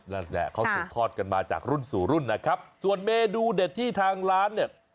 นั่นแหละเขาสืบทอดกันมาจากรุ่นสู่รุ่นนะครับส่วนเมนูเด็ดที่ทางร้านเนี่ย